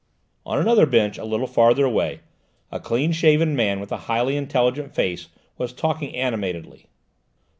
On another bench a little further away, a clean shaven man with a highly intelligent face was talking animatedly.